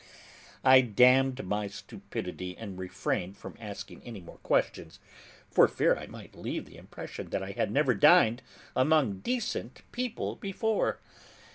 I damned my stupidity and refrained from asking any more questions for fear I might leave the impression that I had never dined among decent people before.